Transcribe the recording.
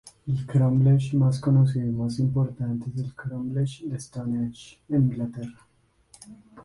El crómlech más conocido y más importante es el crómlech de Stonehenge, en Inglaterra.